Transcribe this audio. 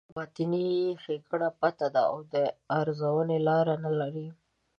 د وګړو باطني ښېګڼه پټه ده او د ارزونې لاره نه لري.